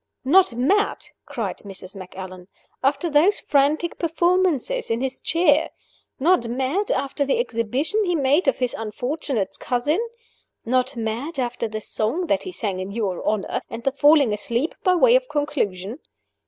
"Not mad!" cried Mrs. Macallan, "after those frantic performances in his chair? Not mad, after the exhibition he made of his unfortunate cousin? Not mad, after the song that he sang in your honor, and the falling asleep by way of conclusion?